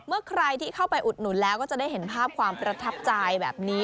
เมื่อใครที่เข้าไปอุดหนุนแล้วก็จะได้เห็นภาพความประทับใจแบบนี้